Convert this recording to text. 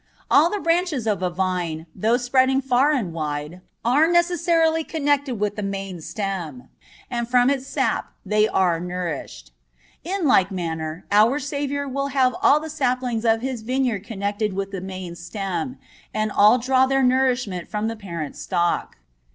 (24) All the branches of a vine, though spreading far and wide, are necessarily connected with the main stem, and from its sap they are nourished. In like manner, our Saviour will have all the saplings of His Vineyard connected with the main stem, and all draw their nourishment from the parent stock.